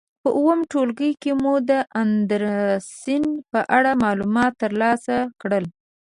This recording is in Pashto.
په اووم ټولګي کې مو د اندرسن په اړه معلومات تر لاسه کړل.